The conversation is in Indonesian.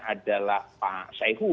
adalah pak seyhu